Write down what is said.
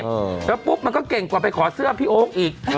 แล้วปุ๊บมันก็เก่งกว่าไปขอเสื้อพี่โอ๊คอีก